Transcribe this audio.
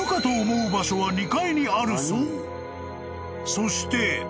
［そして］